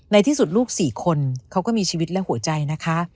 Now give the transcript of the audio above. ในที่สุดลูก๔คนเขาก็มีชีวิตและหัวใจนะคะ